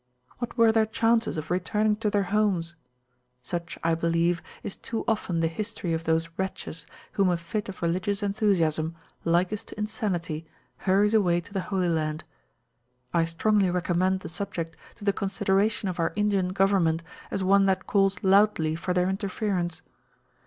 What were their chances of returning to their homes? Such, I believe, is too often the history of those wretches whom a fit of religious enthusiasm, likest to insanity, hurries away to the Holy Land. I strongly recommend the subject to the consideration of our Indian Government as one that calls loudly for their interference.